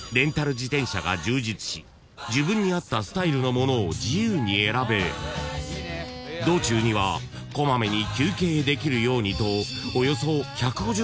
［自分に合ったスタイルのものを自由に選べ道中にはこまめに休憩できるようにと］